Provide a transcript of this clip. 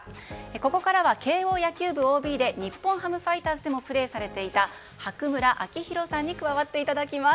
ここからは慶應野球部ＯＢで日本ハムファイターズでもプレーされていた白村明弘さんに加わっていただきます。